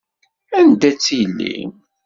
Anda-tt yelli-m?